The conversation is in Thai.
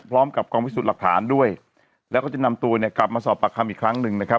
พร้อมกับกองพิสูจน์หลักฐานด้วยแล้วก็จะนำตัวเนี่ยกลับมาสอบปากคำอีกครั้งหนึ่งนะครับ